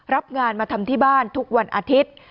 รับงานมาทำที่บ้านทุกวันอาทิตย์